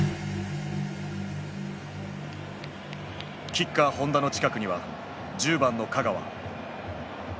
キッカー本田の近くには１０番の香川。